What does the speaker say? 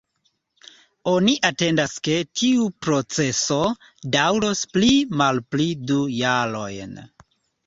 Oni atendas ke tiu proceso daŭros pli malpli du jarojn.